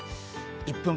「１分！